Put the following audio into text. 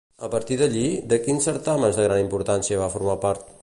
A partir d'allí, de quins certàmens de gran importància va formar part?